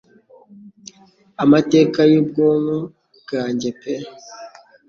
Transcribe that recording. Amateka yubwonko bwanjye pe